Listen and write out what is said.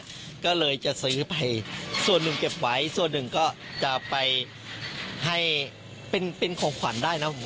ก็เลยจะซื้อไปส่วนหนึ่งเก็บไว้ส่วนหนึ่งก็จะไปให้เป็นของขวัญได้นะผม